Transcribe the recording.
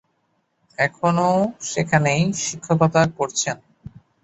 এখনও সেখানেই শিক্ষকতা করছেন।